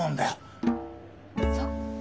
そっか。